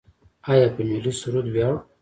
آیا په ملي سرود ویاړو؟